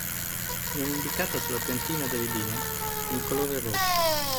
Viene indicata sulla piantina delle linee con il colore rosso.